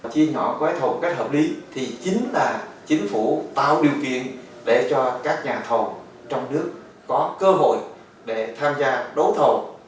chia nhỏ các thầu cách hợp lý thì chính là chính phủ tạo điều kiện để cho các nhà thầu trong nước có cơ hội để tham gia đấu thầu